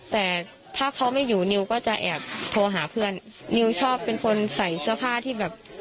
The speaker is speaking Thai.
แต่ถ้าเขาไม่อยู่นิวก็จะแอบโทรหาเพื่อนนิวชอบเป็นคนใส่เสื้อผ้าที่แบบ